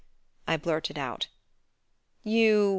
I blurted out. "You